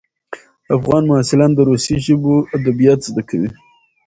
افغان محصلان د روسي ژبو ادبیات زده کوي.